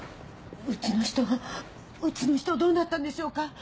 うちの人はうちの人はどうなったんでしょうか？